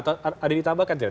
atau ada ditambahkan